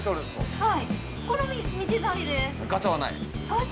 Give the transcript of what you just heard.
はい。